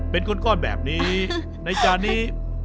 เป็นก้อนแบบนี้ในจานนี้